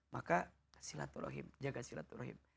maka silaturahim jaga silaturahim